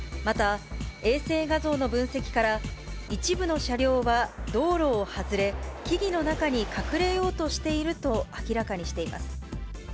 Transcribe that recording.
また、衛星画像の分析から、一部の車両は道路を外れ、木々の中に隠れようとしていると明らかにしています。